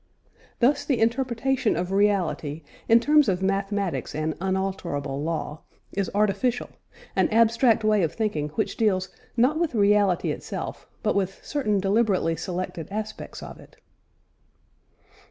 Thus the interpretation of reality in terms of mathematics and "unalterable law," is artificial; an abstract way of thinking which deals not with reality itself but with certain deliberately selected aspects of it.